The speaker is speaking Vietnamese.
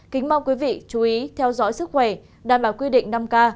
kính mong quý vị chú ý theo dõi sức khỏe đảm bảo quy định năm k